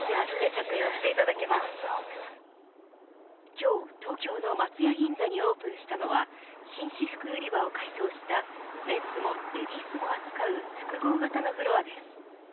今日、東京の松屋銀座にオープンしたのは紳士服売り場を改装したメンズもレディースも扱う複合型のフロアです。